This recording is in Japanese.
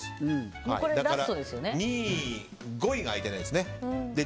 ２位、５位が開いてないですね。